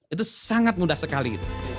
itu sangat mudah sekali